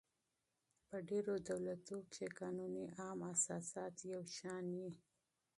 په ډېرو دولتو کښي قانوني عام اساسات یو شان يي.